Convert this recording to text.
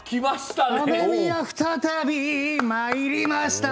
再びまいりました」